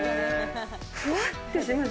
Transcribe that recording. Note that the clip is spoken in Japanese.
ふわっとします。